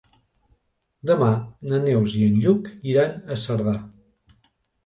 Demà na Neus i en Lluc iran a Cerdà.